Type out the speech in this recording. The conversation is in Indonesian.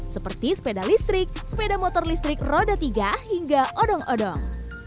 seperti sepeda listrik sepeda motor listrik roda tiga hingga odong odong